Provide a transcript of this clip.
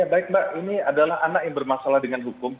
ya baik mbak ini adalah anak yang bermasalah dengan hukum